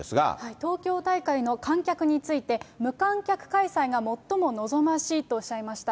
東京大会の観客について、無観客開催が最も望ましいとおっしゃいました。